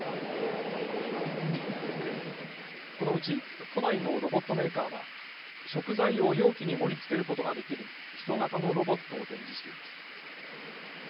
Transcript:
このうち都内のロボットメーカーは食材を容器に盛りつけることができる人型のロボットを展示しています。